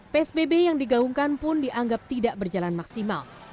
psbb yang digaungkan pun dianggap tidak berjalan maksimal